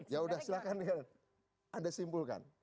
ya sudah silahkan niel anda simpulkan